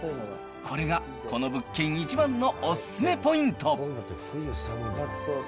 これがこの物件一番のおすすめポイント。